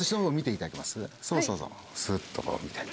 そうそうそうスッとこう見て。